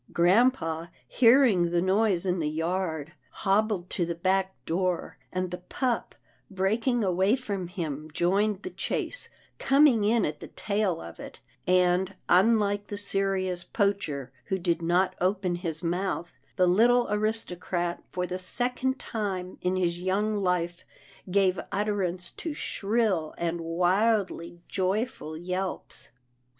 Grampa, hearing the noise in the yard, hobbled to the back door, and the pup, breaking away from him, joined the chase, coming in at the tail of it, and, unlike the serious Poacher who did not open his mouth, the little aristocrat, for the second time in his young life, gave utterance to shrill, and wildly joyful yelps.